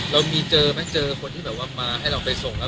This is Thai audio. เรามีเจอคนให้เราไปส่ง